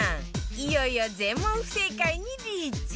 いよいよ全問不正解にリーチ